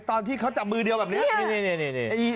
ตอนที่เขาจับมือเดียวแบบนี้